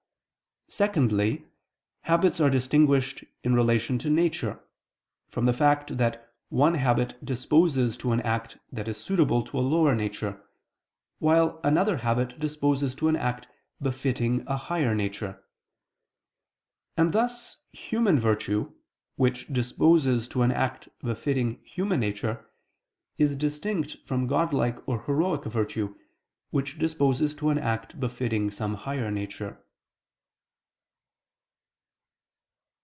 Secondly, habits are distinguished in relation to nature, from the fact that one habit disposes to an act that is suitable to a lower nature, while another habit disposes to an act befitting a higher nature. And thus human virtue, which disposes to an act befitting human nature, is distinct from godlike or heroic virtue, which disposes to an act befitting some higher nature.